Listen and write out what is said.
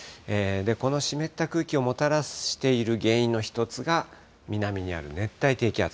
この湿った空気をもたらしている原因の一つが南にある熱帯低気圧。